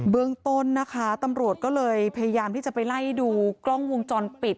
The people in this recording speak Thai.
เรื่องต้นนะคะตำรวจก็เลยพยายามที่จะไปไล่ดูกล้องวงจรปิด